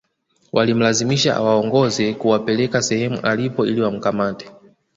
Walimlazimisha awaongoze kuwapeleka sehemu alipo ili wamkamate